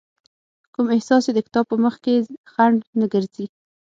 کوم احساس يې د کتاب په مخکې خنډ نه ګرځي.